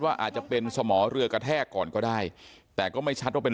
อาจจะเป็นสมอเรือกระแทกก่อนก็ได้แต่ก็ไม่ชัดว่าเป็น